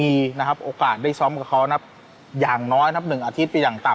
อาจจะแบ่งกันไปดูตามสนามนะครับแล้วก็เอามาวิเคราะห์กันถ้าเกิดไปดูไม่ได้จริงจริงก็ดูตามวีดีโอนะครับ